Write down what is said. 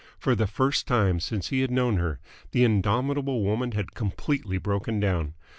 For the first time since he had known her the indomitable woman had completely broken down.